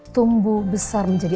tumbuh besar menjadi